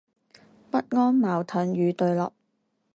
不安、矛盾、與對立